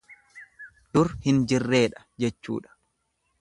Dur hin jirreedha jechuudha.